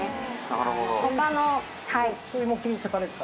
なるほど。